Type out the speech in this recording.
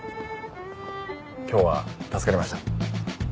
今日は助かりました。